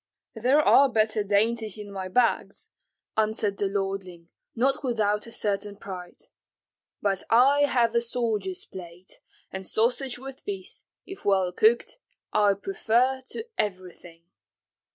"There are better dainties in my bags," answered the lordling, not without a certain pride; "but I have a soldier's palate, and sausage with peas, if well cooked, I prefer to everything."